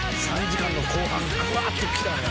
３時間の後半ぐわっときたね。